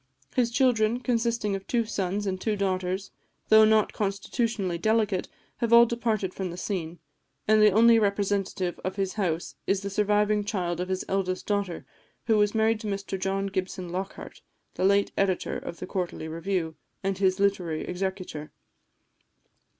His children, consisting of two sons and two daughters, though not constitutionally delicate, have all departed from the scene, and the only representative of his house is the surviving child of his eldest daughter, who was married to Mr John Gibson Lockhart, the late editor of the Quarterly Review, and his literary executor.